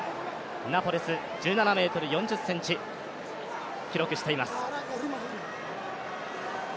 ナポレス１７ｍ４０ｃｍを記録しています